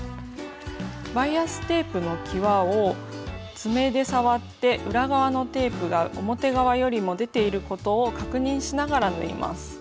バイアステープのきわを爪で触って裏側のテープが表側よりも出ていることを確認しながら縫います。